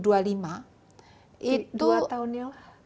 dua tahun ya